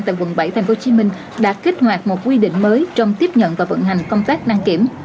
tại quận bảy tp hcm đã kích hoạt một quy định mới trong tiếp nhận và vận hành công tác đăng kiểm